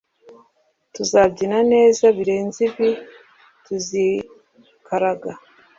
tuzabyina neza birenze ibi, tuzikaraga